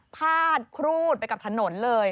พาดครูดไปกับถนนเลย